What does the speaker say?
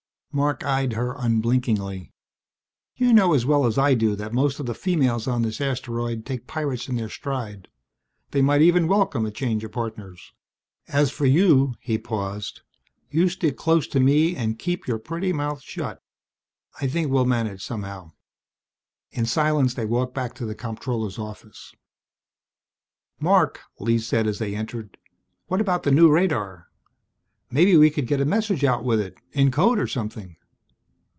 Marc eyed her unblinkingly. "You know as well as I do that most of the females on this asteroid take pirates in their stride. They might even welcome a change of partners. As for you" he paused "you stick close to me and keep your pretty mouth shut. I think we'll manage somehow." In silence they walked back to the comptroller's office. "Marc," Lee said as they entered, "what about the new radar? Maybe we could get a message out with it, in code or something."